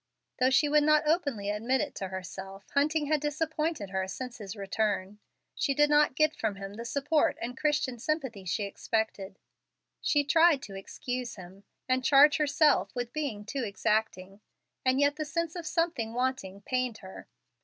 Though she would not openly admit it to herself, Hunting had disappointed her since his return. She did not get from him the support and Christian sympathy she expected. She tried to excuse him, and charged herself with being too exacting, and yet the sense of something wanting pained her.